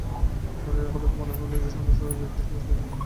মৃন্ময়ীর হঠাৎ মনে হইল যেন সমস্ত গৃহে এবং সমস্ত গ্রামে কেহ লোক নাই।